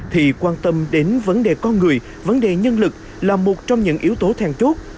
thì quan tâm đến vấn đề con người vấn đề nhân lực là một trong những yếu tố thèn chốt